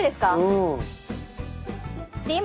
うん。